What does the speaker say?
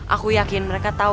aku yakin mereka tahu